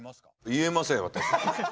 言えません私。